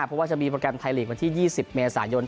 เพราะว่าจะมีโปรแกรมไทยลีกวันที่๒๐เมษายน